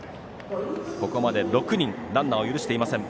ここまで６人ランナーを許していません。